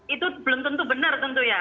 itu belum tentu benar tentu ya